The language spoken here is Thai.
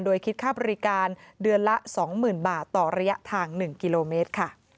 โดยคิดค่าบริการเดือนละ๒๐๐๐บาทต่อระยะทาง๑กิโลเมตรค่ะ